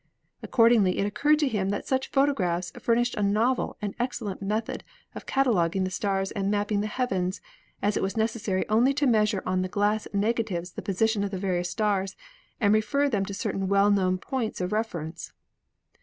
Ac cordingly it occurred to him that such photographs fur nished a novel and excellent method of cataloguing the stars and mapping the heavens, as it was necessary only to measure on the glass negatives the positions of the various stars and refer them to certain well known points of ref erence.